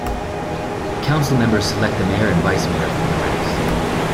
Council members select the mayor and vice mayor from their ranks.